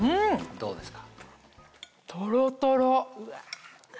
どうですか？